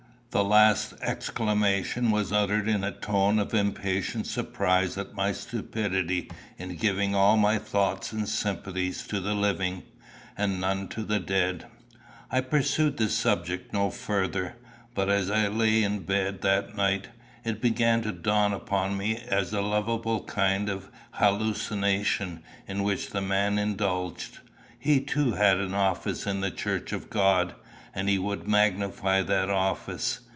The last exclamation was uttered in a tone of impatient surprise at my stupidity in giving all my thoughts and sympathies to the living, and none to the dead. I pursued the subject no further, but as I lay in bed that night, it began to dawn upon me as a lovable kind of hallucination in which the man indulged. He too had an office in the Church of God, and he would magnify that office.